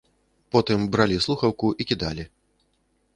Потым бралі слухаўку і кідалі.